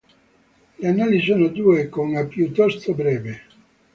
Le anali sono due, con A piuttosto breve.